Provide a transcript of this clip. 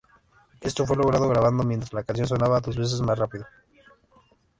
Esto fue logrado grabando mientras la canción sonaba dos veces más rápido.